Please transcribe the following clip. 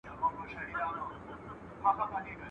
لرغوني انسانان ساده ژوند درلود